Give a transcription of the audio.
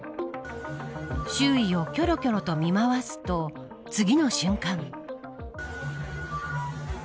周囲をきょろきょろと見回すと次の瞬間。